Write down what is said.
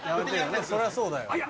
そりゃそうだよ。